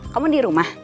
kamu di rumah